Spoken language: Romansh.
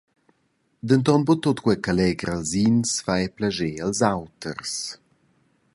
Denton buca tut quei che legra ils ins, fa era plascher als auters.